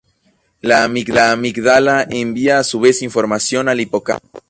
La amígdala envía a su vez información al hipocampo.